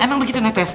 emang begitu nekes